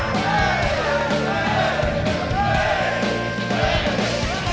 diri aku diri